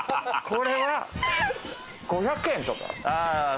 これは、５００円とか？